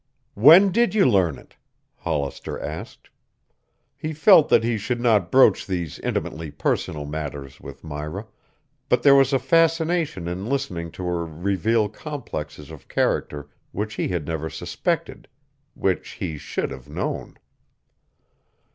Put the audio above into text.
"When did you learn it?" Hollister asked. He felt that he should not broach these intimately personal matters with Myra, but there was a fascination in listening to her reveal complexes of character which he had never suspected, which he should have known.